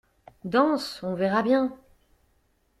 Danse, on verra bien.